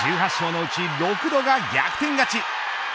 １８勝のうち６度が逆転勝ち。